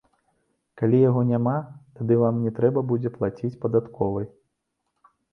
Калі яго няма, тады вам не трэба будзе плаціць падатковай.